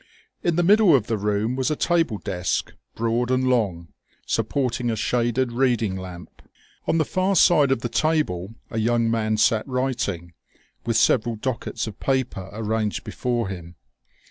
In the middle of the room was a table desk, broad and long, supporting a shaded reading lamp. On the far side of the table a young man sat writing, with several dockets of papers arranged before him.